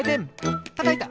たたいた！